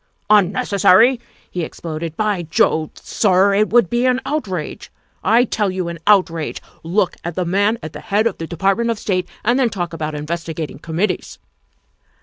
" Unnecessary," he exploded, "by Jove, sir, it would be an outrage! I tell you, an outrage! Look at the man at the head of the Department of State and then talk about investigating committees."